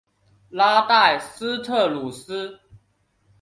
拉代斯特鲁斯。